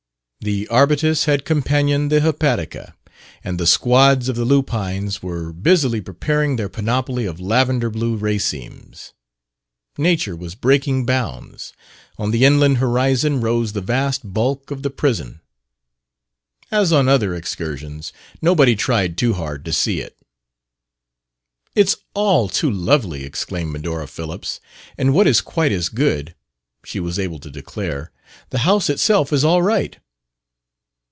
The arbutus had companioned the hepatica, and the squads of the lupines were busily preparing their panoply of lavender blue racemes. Nature was breaking bounds. On the inland horizon rose the vast bulk of the prison. As on other excursions, nobody tried too hard to see it. "It's all too lovely," exclaimed Medora Phillips. "And what is quite as good," she was able to declare, "the house itself is all right."